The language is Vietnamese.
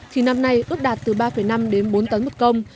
hay ước đạt từ ba năm đến bốn tấn một công